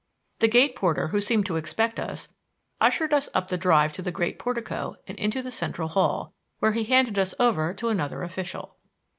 The gate porter, who seemed to expect us, ushered us up the drive to the great portico and into the Central Hall, where he handed us over to another official.